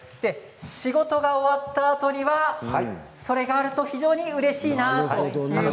仕事が終わったあとそれがあると非常にうれしいなと。